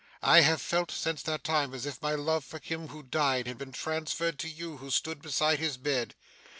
I have felt since that time as if my love for him who died, had been transferred to you who stood beside his bed.